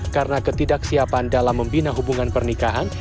karena ketidaksiapan dalam membina hubungan pernikahan